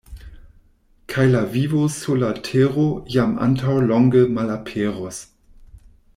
Kaj la vivo sur la Tero jam antaŭ longe malaperus.